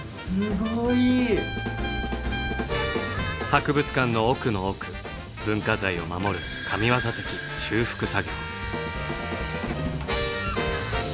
博物館の奥の奥文化財を守る神業的・修復作業。